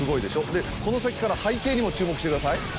でこの先から背景にも注目してください。